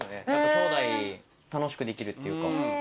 きょうだい楽しくできるっていうか。